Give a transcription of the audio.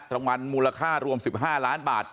รางวัลมูลค่ารวม๑๕ล้านบาท